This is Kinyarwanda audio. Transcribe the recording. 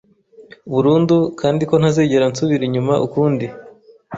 burundu kandi ko ntazigera nsubira inyuma ukundi